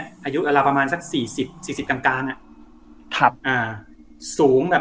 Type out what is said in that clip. อายุประมาณสัก๔๐กรัมกลาง